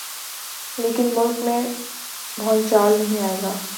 لیکن ملک میں بھونچال نہیں آئے گا۔